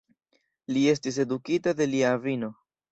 Li estis edukita de lia avino.